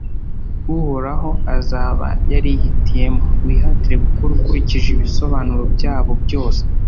uhoraho azaba yarihitiyemo, wihatire gukora ukurikije ibisobanuro byabo byose.